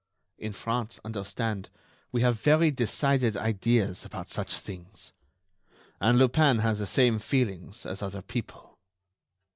In France, understand, we have very decided ideas about such things. And Lupin has the same feelings as other people."